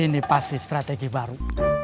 ini pasti strategi baru